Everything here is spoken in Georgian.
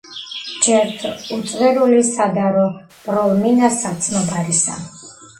ჯერთ უწვერული, სადარო ბროლ-მინა საცნობარისა;